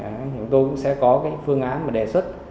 thì chúng tôi cũng sẽ có cái phương án mà đề xuất